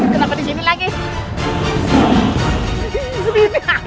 kenapa disini lagi